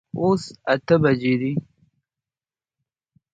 اوس اته بجي دي